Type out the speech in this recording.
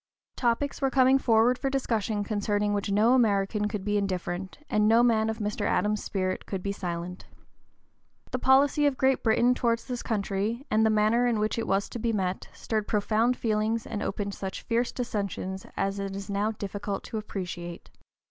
Topics were coming forward for discussion concerning which no American could be indifferent, and no man of Mr. Adams's spirit could be silent. The policy of Great Britain towards this country, and the manner in which it was to be met, stirred profound feelings and opened such fierce dissensions as it is now difficult to appreciate.